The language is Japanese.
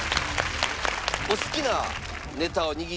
お好きなネタを握って。